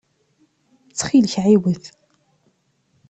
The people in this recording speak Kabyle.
Ttxil-k ɛiwed.